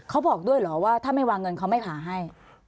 เขาบอกด้วยเหรอว่าถ้าไม่วางเงินเขาไม่ผ่าให้